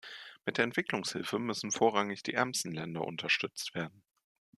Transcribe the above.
Mit der Entwicklungshilfe müssen vorrangig die ärmsten Länder unterstützt werden.